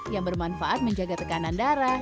yang bermanfaat menjaga tekanan darah